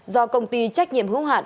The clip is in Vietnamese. do công ty trách nhiệm hướng hạn